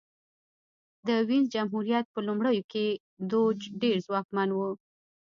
د وینز جمهوریت په لومړیو کې دوج ډېر ځواکمن و